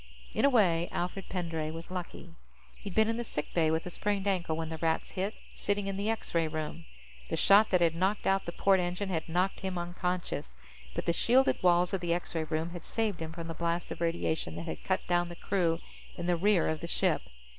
In a way, Alfred Pendray was lucky. He'd been in the sick bay with a sprained ankle when the Rats hit, sitting in the X ray room. The shot that had knocked out the port engine had knocked him unconscious, but the shielded walls of the X ray room had saved him from the blast of radiation that had cut down the crew in the rear of the ship.